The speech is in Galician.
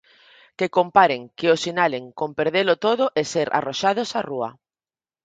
Que comparen que os sinalen con perdelo todo e ser arroxados á rúa.